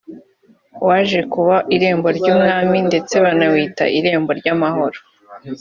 waje kuba irembo ry’i Bwami ndetse banawita irembo ry’amahoro